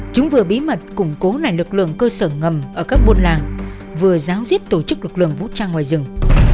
chúng vừa bí mật củng cố lại lực lượng cơ sở ngầm ở các buôn làng vừa giáo diết tổ chức lực lượng vũ trang ngoài rừng